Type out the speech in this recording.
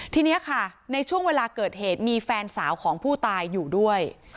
ทีนี้ค่ะในช่วงเวลาเกิดเหตุมีแฟนสาวของผู้ตายอยู่ด้วย